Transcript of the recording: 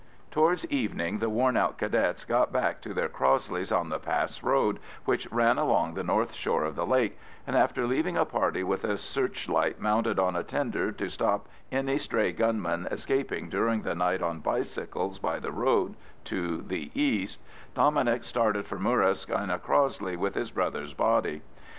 Towards evening the worn out Cadets got back to their Crossleys on the pass road which ran along the north shore of the lake; and after leaving a party with a searchlight mounted on a tender to stop any stray gunmen escaping during the night on bicycles by the road to the east, Dominic started for Murrisk in a Crossley with his brother's body.